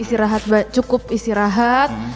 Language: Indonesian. istirahat cukup istirahat